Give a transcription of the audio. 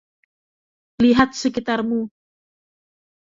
Lihat sekitarmu.